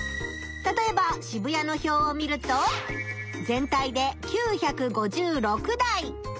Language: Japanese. たとえば渋谷の表を見ると全体で９５６台。